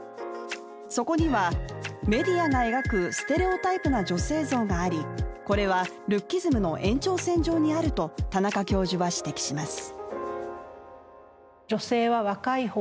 そこには、メディアが描くステレオタイプな女性像がありこれはルッキズムの延長線上にあると田中教授は指摘します。